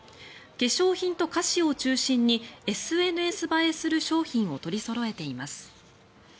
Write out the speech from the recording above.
化粧品と菓子を中心にＳＮＳ映えする商品を取りそろえています。